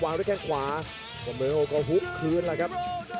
วางด้วยแก้งขวาเว้นเมลล์ก็หุบคืนล่ะครับ